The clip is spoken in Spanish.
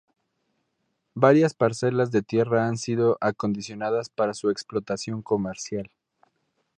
Varias parcelas de tierra han sido acondicionadas para su explotación comercial.